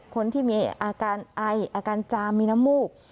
คนที่มีอาการไออาการจามมีน้ำมูก